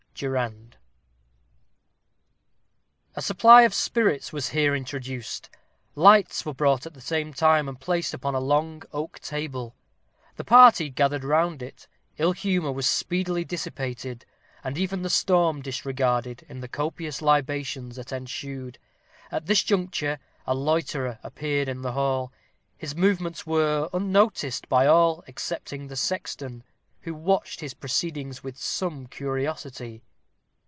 DURAND. A supply of spirits was here introduced; lights were brought at the same time, and placed upon a long oak table. The party gathering round it, ill humor was speedily dissipated, and even the storm disregarded, in the copious libations that ensued. At this juncture, a loiterer appeared in the hall. His movements were unnoticed by all excepting the sexton, who watched his proceedings with some curiosity.